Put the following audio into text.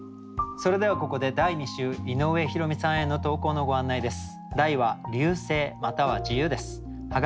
それではここで第２週井上弘美さんへの投稿のご案内です。